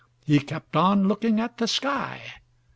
He kept on looking at the sky.